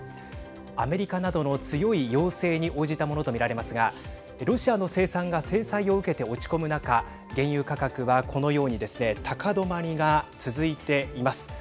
アメリカなどの強い要請に応じたものと見られますがロシアの生産が制裁を受けて落ち込む中原油価格は、このようにですね高止まりが続いています。